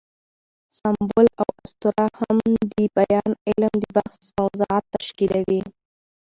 سمبول او اسطوره هم د بیان علم د بحث موضوعات تشکیلوي.